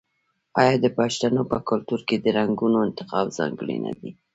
آیا د پښتنو په کلتور کې د رنګونو انتخاب ځانګړی نه دی؟